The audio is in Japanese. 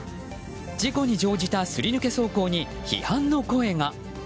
事故に乗じたすり抜け走行に批判の声が。